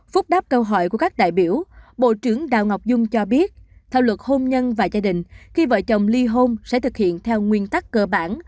phúc đáp câu hỏi của các đại biểu bộ trưởng đào ngọc dung cho biết theo luật hôn nhân và gia đình khi vợ chồng ly hôn sẽ thực hiện theo nguyên tắc cơ bản